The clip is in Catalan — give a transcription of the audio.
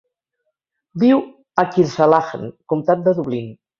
Viu a Kilsallaghan, comtat de Dublín.